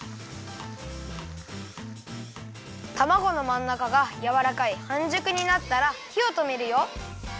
たまごのまんなかがやわらかいはんじゅくになったらひをとめるよ。